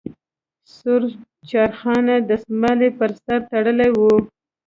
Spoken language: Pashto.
سور چارخانه دستمال یې په سر تړلی وي.